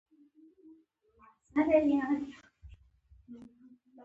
دا ولن تجد لسنة الله تبدیلا ده.